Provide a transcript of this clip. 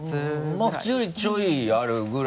まぁ普通よりちょいあるぐらい。